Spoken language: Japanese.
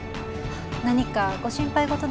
何かご心配事でも？